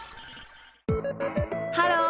ハロー！